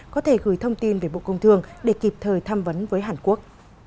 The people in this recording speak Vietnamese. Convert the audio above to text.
có thể gửi thông tin về bộ công thương để kịp thời tham vấn với hàn quốc